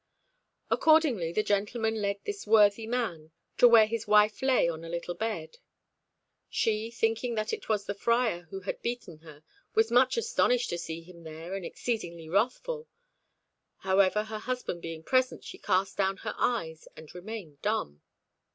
Accordingly, the gentleman led this worthy man to where his wife lay on a little bed. She, thinking that it was the Friar who had beaten her, was much astonished to see him there and exceedingly wrathful; however, her husband being present, she cast down her eyes, and remained dumb.